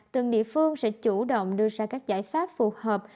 từng địa phương sẽ chủ động đưa ra các giải pháp phù hợp